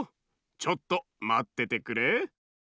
ちょっとまっててくれ。